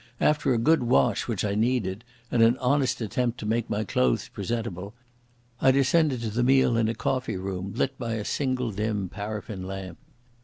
After a good wash, which I needed, and an honest attempt to make my clothes presentable, I descended to the meal in a coffee room lit by a single dim paraffin lamp.